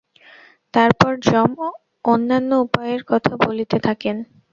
তারপর যম অন্যান্য উপায়ের কথা বলিতে থাকেন।